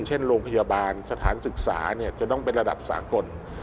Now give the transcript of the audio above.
เช่นโรงพยาบาลสถานศึกษาจะต้องเป็นระดับสากล